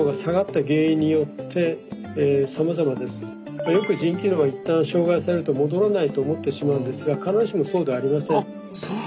これはあのよく腎機能は一旦障害されると戻らないと思ってしまうんですが必ずしもそうではありません。